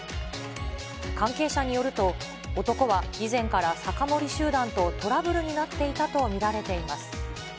関係者によると、男は以前から酒盛り集団とトラブルになっていたと見られています。